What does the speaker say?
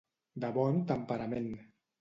De bon temperament.